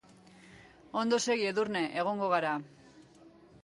Ondo segi Edurne, egongo gara.